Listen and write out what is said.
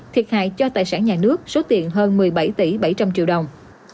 thiệt hại cho tài sản nhà nước số tiền hơn một mươi bảy tỷ bảy trăm linh triệu đồng